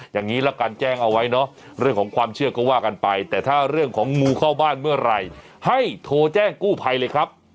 อย่างนี้ละกันแจ้งเอาไว้เนาะเรื่องของความเชื่อก็ว่ากันไปแต่ถ้าเรื่องของงูเข้าบ้านเมื่อไหร่ให้โทรแจ้งกู้ภัยเลยครับ